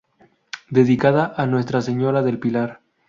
Dedicada a Nuestra Señora del Pilar.